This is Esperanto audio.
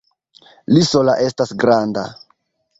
Li sola estas granda!